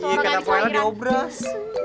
iya karena poela di obras